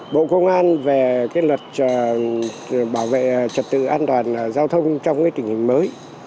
bộ công an về cái luật bảo vệ trật tự an toàn giao thông trong cái tình hình mới